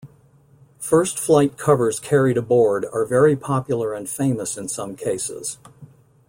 First flight covers carried aboard are very popular and famous in some cases.